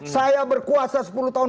saya berkuasa sepuluh tahun